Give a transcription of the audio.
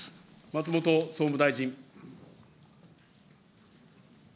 松本総務大臣。